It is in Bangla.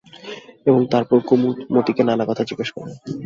এবং তারপর কুমুদ মতিকে নানা কথা জিজ্ঞাসা করে।